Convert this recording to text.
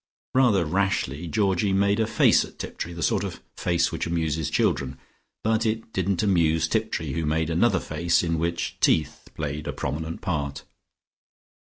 Rather rashly, Georgie made a face at Tiptree, the sort of face which amuses children. But it didn't amuse Tiptree, who made another face, in which teeth played a prominent part.